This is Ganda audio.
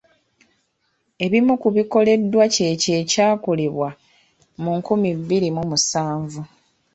Ebimu ku bikoleddwa kyekyo ekyakolebwa mu nkumi bbiri mu musanvu.